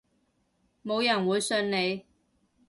冇人會信你